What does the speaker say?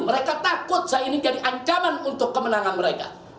mereka takut saya ini jadi ancaman untuk kemenangan mereka